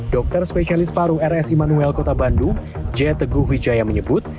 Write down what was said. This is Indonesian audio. dokter spesialis paru rsi immanuel kota bandung j teguh wijaya menyebut